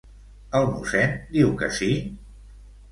El mossèn diu que sí?